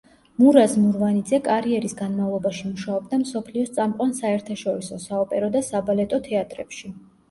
მურაზ მურვანიძე კარიერის განმავლობაში მუშაობდა მსოფლიოს წამყვან საერთაშორისო, საოპერო და საბალეტო თეატრებში.